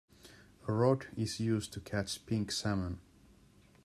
A rod is used to catch pink salmon.